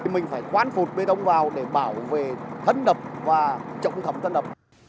mình phải quán phụt bê đông vào để bảo vệ thân đập và chống thẩm thân đập